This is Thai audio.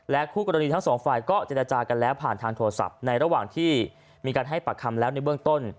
คู่กรณีทั้งสองฝ่ายก็เจรจากันแล้วผ่านทางโทรศัพท์ในระหว่างที่มีการให้ปากคำแล้วในเบื้องต้น